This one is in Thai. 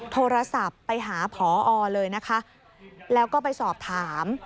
โทรศัพท์ไปหาผอเลยนะคะแล้วก็ไปสอบถาม